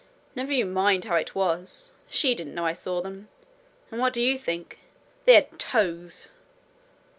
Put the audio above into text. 'Never you mind how it was. She didn't know I saw them. And what do you think! they had toes!'